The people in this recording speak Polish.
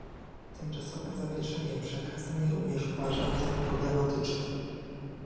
Tymczasowe zawieszenie przekazań również uważam za problematyczne